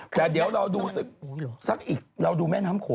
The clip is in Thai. แต่เดี๋ยวว่าเราดูสักอีก